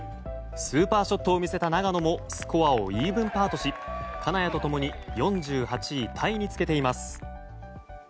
スーパーショットも見せた永野もスコアをイーブンパーとし金谷と共に４８位タイにつけています。